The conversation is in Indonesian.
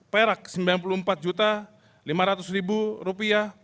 perak sembilan puluh empat juta